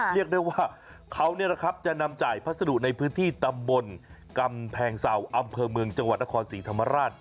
เรียกได้ว่าเขาจะนำจ่ายพัสดุในพื้นที่ตำบลกำแพงเศร้าอำเภอเมืองจังหวัดนครศรีธรรมราช